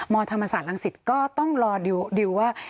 มธรรมศาสตร์ลังศิษฐ์ก็ต้องรอดิวว่า